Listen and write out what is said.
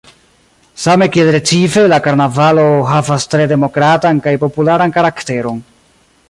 Same kiel Recife la karnavalo havas tre demokratan kaj popularan karakteron.